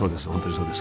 そうです